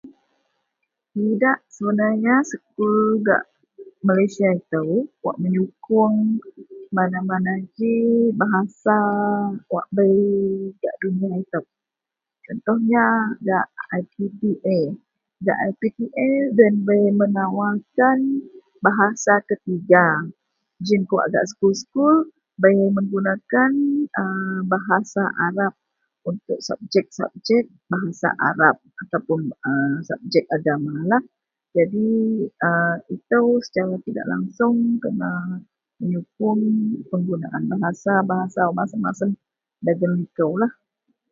Idak sebenarnya sekul gak Malaysia itou wak menyukuong mana-mana ji bahasa wak bei gak duniya itou. Contohnya gak IPTA, gak IPTA deloyen bei menawarkan bahasa ketiga. Jiyen kawak gak sekul-sekul bei menggunakan a bahasa Arab untuk sabjek-sabjek bahasa Arab ataupun a sabjek agamalah. Jadi a itou secara tidak langsung kena menyukuong penggunaan bahasa-bahasa masem-masem dagen likoulah.